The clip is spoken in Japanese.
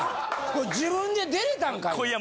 これ自分で出れたんかい？